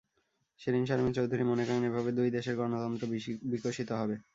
শিরীন শারমিন চৌধুরী মনে করেন, এভাবে দুই দেশের গণতন্ত্র বিকশিত হবে।